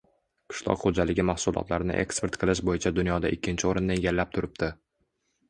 qishloq xo‘jaligi mahsulotlarini eksport qilish bo‘yicha dunyoda ikkinchi o‘rinni egallab turibdi.